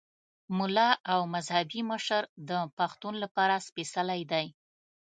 ملا او مذهبي مشر د پښتون لپاره سپېڅلی دی.